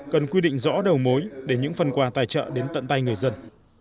cần quy định rõ đầu mối để những phần quà tài trợ đến tận tay người dân